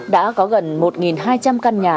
đã có gần một hai trăm linh căn nhà